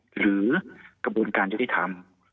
หรือกระบวนการยุติธรรม